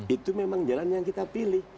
itu memang jalan yang kita pilih